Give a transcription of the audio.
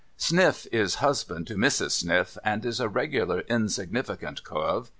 Sniff is husband to Mrs. Sniff, and is a regular insignificant cove.